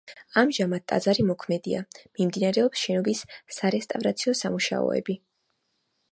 ამჟამად ტაძარი მოქმედია, მიმდინარეობს შენობის სარესტავრაციო სამუშაოები.